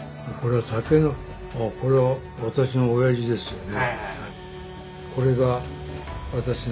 これは私の親父ですよね。